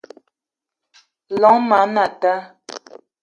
Llong ma anata